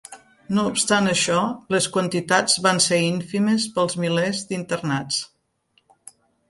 No obstant això, les quantitats van ser ínfimes pels milers d'internats.